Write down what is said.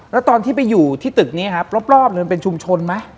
แล้วตอนที่ไปอยู่ที่ตึกนี้ครับรอบมันเป็นชุมชนไหม